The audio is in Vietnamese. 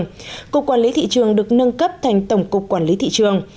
tổng cục quản lý tỷ trường được nâng cấp thành tổng cục quản lý tỷ trường